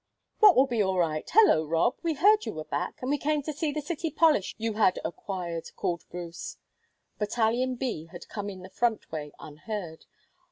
"What will be all right? Hallo, Rob! We heard you were back, and we came to see the city polish you had acquired," cried Bruce. Battalion B had come in the front way unheard.